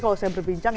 kalau saya berbincang